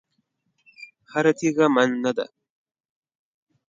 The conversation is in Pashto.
هره تېږه من نه ده.